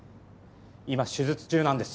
今手術中なんです。